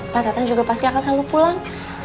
pak datang juga pasti akan selalu pulang